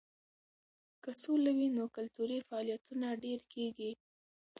که سوله وي نو کلتوري فعالیتونه ډېر کیږي.